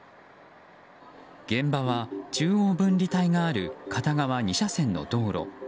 現場は中央分離帯がある片側２車線の道路。